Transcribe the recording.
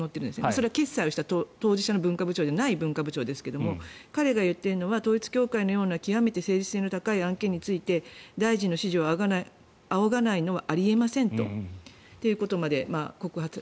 それは決裁した当時の文化部長じゃない文化部長ですが彼が言っているのは統一教会のような極めて政治性の高い案件について大臣の指示を仰がないのはありませんということまで告発。